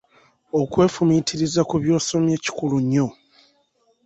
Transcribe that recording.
Okwefumiitiriza ku by'osomye Kikulu nnyo.